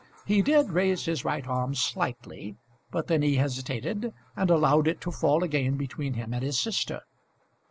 He did raise his right arm slightly; but then he hesitated, and allowed it to fall again between him and his sister.